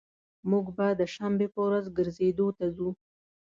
موږ به د شنبي په ورځ ګرځیدو ته ځو